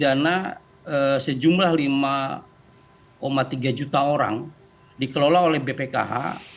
dana sejumlah lima tiga juta orang dikelola oleh bpkh